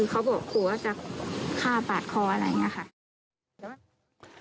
เขาบอกครูจะฆ่าปากคออะไรอย่างนี้ค่ะ